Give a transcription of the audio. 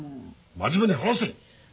真面目に話せ！